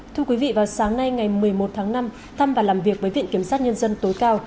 thưa quý vị vào sáng nay ngày một mươi một tháng năm thăm và làm việc với viện kiểm sát nhân dân tối cao